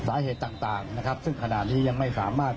สาเหตุต่างนะครับซึ่งขณะนี้ยังไม่สามารถ